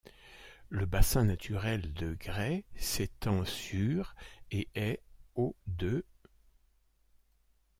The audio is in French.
Le bassin naturel de grès s'étend sur et est haut de .